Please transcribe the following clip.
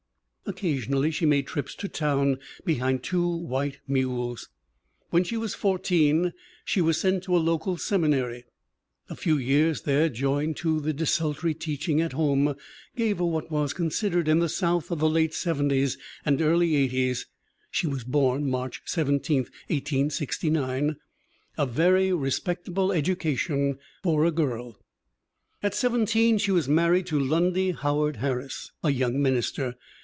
Occasionally she made trips to town behind two white mules. When she was 14 she was sent to a local seminary. A few years there joined to the desultory teaching at home gave her what was considered in the South of the late '705 and early '8os (she was born March 17, 1869) a very respect able education for a girl. At 17 she was married to Lundy Howard Harris, a young minister.